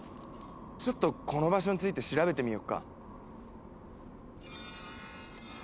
ちょっとこの場所について調べてみようか。